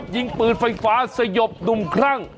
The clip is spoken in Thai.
ยิงปืนไฟฟ้าสยบหนุ่มครั่ง